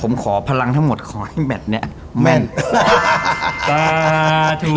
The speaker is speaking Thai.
ผมขอพลังทั้งหมดขอให้แม่นเนี้ยแม่นจ้าถูก